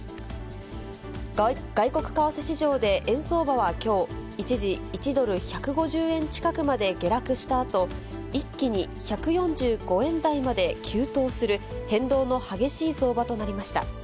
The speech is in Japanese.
外国為替市場で円相場はきょう、一時、１ドル１５０円近くまで下落したあと、一気に１４５円台まで急騰する変動の激しい相場となりました。